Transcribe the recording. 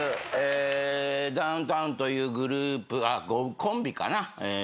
ダウンタウンというグループあっコンビかな。